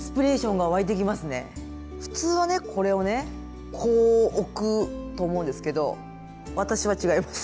普通はねこれをねこう置くと思うんですけど私は違います。